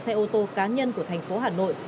xe ô tô cá nhân của thành phố hà nội